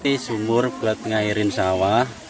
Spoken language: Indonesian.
di sumur buat mengairin sawah